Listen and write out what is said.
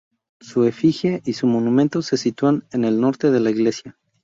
Su efigie y su monumento se sitúan en el norte de la iglesia.